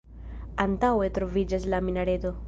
Antaŭe troviĝas la minareto.